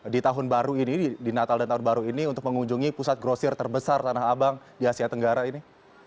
di natal dan tahun baru ini untuk mengunjungi pusat grosir terbesar tanah abang di asia tenggara ini